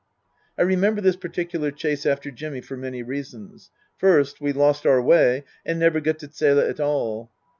I remember this particular chase after Jimmy for many reasons. First, we lost out way and never got to Zele at all.